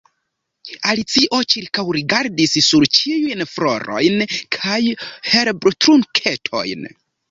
Alicio ĉirkaŭrigardis sur ĉiujn florojn kaj herbtrunketojn.